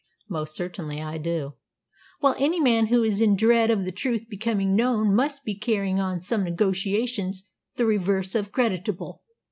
"Most certainly I do." "Well, any man who is in dread of the truth becoming known must be carrying on some negotiations the reverse of creditable.